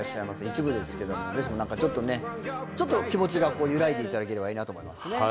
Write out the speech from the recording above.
一部ですけどもちょっと気持ちが揺らいでいただければいいなと思います。